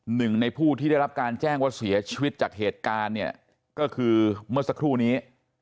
หนึ่งในผู้ที่ได้รับการแจ้งว่าเสียชีวิตจากเหตุการณ์เนี่ยก็คือเมื่อสักครู่นี้